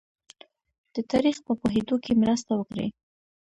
د تاریخ په پوهېدو کې مرسته وکړي.